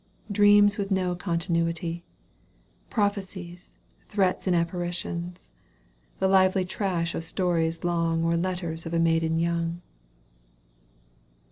Dreams with no continuity, Prophecies, threats and apparitions, , The lively trash of stories long Or letters of a maiden young.